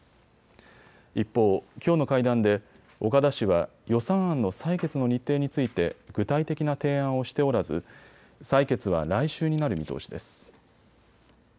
一方、きょうの会談で岡田氏は予算案の採決の日程について具体的な提案をしておらず採決は来週になる見通しです。